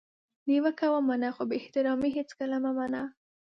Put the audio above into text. نیوکه ومنه خو بي احترامي هیڅکله مه منه!